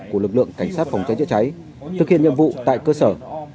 của lực lượng cảnh sát phòng cháy chữa cháy thực hiện nhiệm vụ tại cơ sở